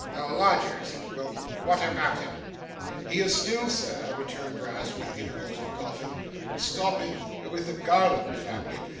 'The lodger,' said Quilp, ' what about him?' 'He is still, sir,' returned Brass, with intervals of coughing, 'stopping with the Garland family.